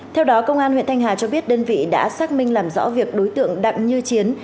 theo đó công an huyện thanh hà cho biết đơn vị đã xác minh làm rõ việc đối tượng đặng như chiến